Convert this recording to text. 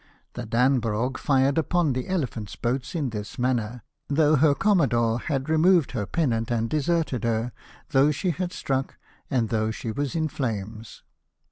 The Danhrog fired upon the ElepJianVs boats in this manner, though her com modore had removed her pennant and deserted her, though she had struck, and though she was in flames.